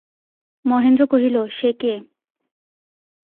মহেন্দ্র কহিল, সে কে।